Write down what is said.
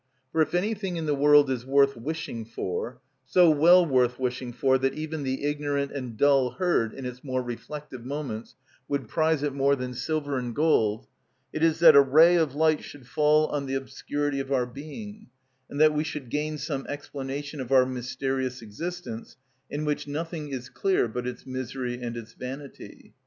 For if anything in the world is worth wishing for—so well worth wishing for that even the ignorant and dull herd in its more reflective moments would prize it more than silver and gold—it is that a ray of light should fall on the obscurity of our being, and that we should gain some explanation of our mysterious existence, in which nothing is clear but its misery and its vanity.